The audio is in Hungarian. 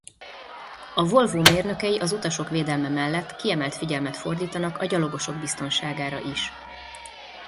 A Volvo mérnökei az utasok védelme mellett kiemelt figyelmet fordítanak a gyalogosok biztonságára is.